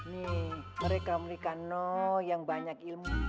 nih mereka milikan lo yang banyak ilmunya